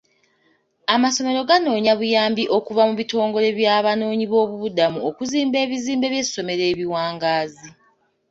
Amasomero ganoonya buyambi okuva mu bitongole by'Abanoonyiboobubudamu okuzimba ebizimbe by'essomero ebiwangaazi.